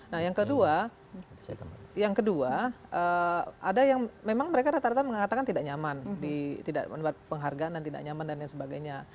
nah yang kedua yang kedua ada yang memang mereka rata rata mengatakan tidak nyaman tidak mendapat penghargaan dan tidak nyaman dan lain sebagainya